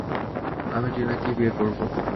আমি টিনাকেই বিয়ে করবো।